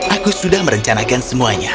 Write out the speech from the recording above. aku sudah merencanakan semuanya